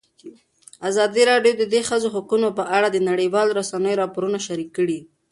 ازادي راډیو د د ښځو حقونه په اړه د نړیوالو رسنیو راپورونه شریک کړي.